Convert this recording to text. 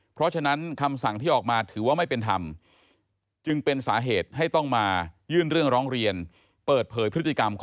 เพราะฉะนั้นคำสั่งที่ออกมาถือว่าไม่เป็นธรรม